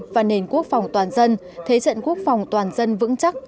và nền quốc phòng toàn dân thế trận quốc phòng toàn dân vững chắc